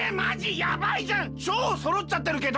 やばいじゃん！ちょうそろっちゃってるけど！